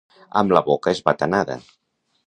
Amb la boca esbatanada.